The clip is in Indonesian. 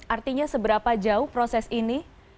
artinya seberapa jauh proses ini